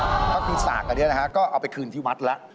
ก็คือสากอันนี้นะฮะก็เอาไปคืนที่วัดแล้ว